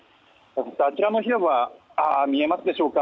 あちらの広場見えますでしょうか